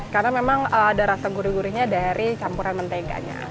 karena memang ada rasa gurih gurihnya dari campuran menteganya